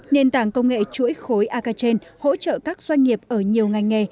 nền tảng công nghệ chuỗi khối akachen hỗ trợ các doanh nghiệp ở nhiều ngành nghề